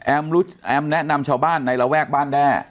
แอมแนะนำชาวบ้านในระแวกบ้านแด้